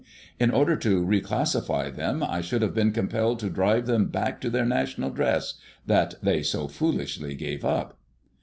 In order to re classify them I should have been compelled to drive them back to their national dress, that they so foolishly gave up.